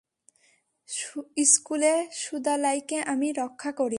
স্কুলে সুদালাইকে আমি রক্ষা করি।